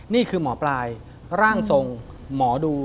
นี่คือหมอปลายร่างทรงหมอดู